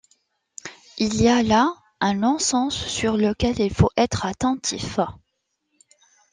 Il y a là un non-sens sur lequel il faut être attentif.